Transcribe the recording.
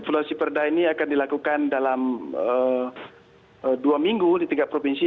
evaluasi perda ini akan dilakukan dalam dua minggu di tiga provinsi